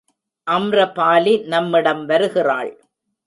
அம்ரபாலி நம்மிடம் வருகிறாள்.